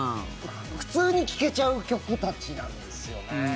普通に聴けちゃう曲たちなんですよね。